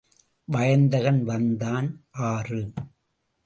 வயந்தகன் வந்தான் ஆறு.